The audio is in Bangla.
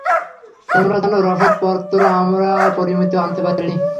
তোমরা জান, রসদ পত্র আমরা পরিমিত আনতে পারিনি।